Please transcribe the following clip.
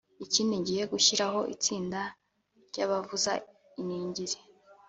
Ikindi ngiye gushyiraho itsinda ry’abavuza iningiri